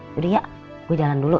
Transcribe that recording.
yaudah ya gue jalan dulu